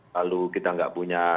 lalu kita enggak punya